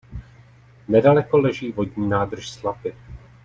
Nedaleko leží vodní nádrž Slapy.